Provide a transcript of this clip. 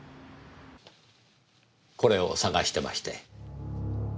これを捜してまして。